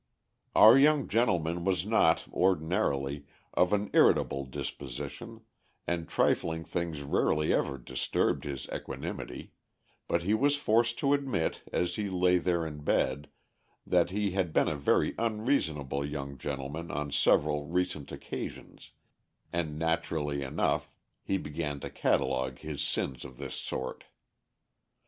Our young gentleman was not, ordinarily, of an irritable disposition, and trifling things rarely ever disturbed his equanimity, but he was forced to admit, as he lay there in bed, that he had been a very unreasonable young gentleman on several recent occasions, and naturally enough he began to catalogue his sins of this sort.